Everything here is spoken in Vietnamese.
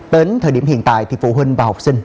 đến thời điểm hiện tại thì phụ huynh và học sinh